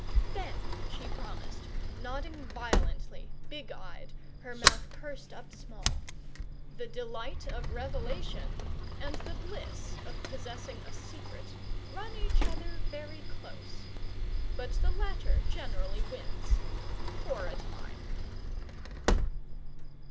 Then she promised, nodding violently, big eyed, her mouth pursed up small. The delight of revelation, and the bliss of possessing a secret, run each other very close. But the latter generally wins for a time.